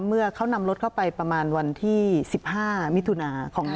เมื่อเขานำรถเข้าไปประมาณวันที่๑๕มิถุนา๒๕